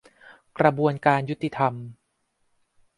กระบวนการยุติธรรม